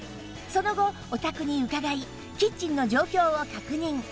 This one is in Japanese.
その後お宅に伺いキッチンの状況を確認